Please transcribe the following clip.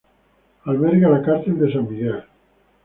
Alberga la Cárcel de San Miguel.